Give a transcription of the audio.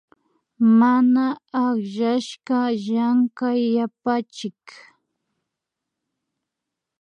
Mana akllashka Llankay yapachik